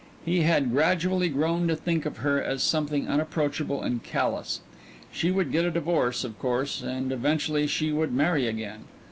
He had gradually grown to think of her as something unapproachable and callous. She would get a divorce, of course, and eventually she would marry again.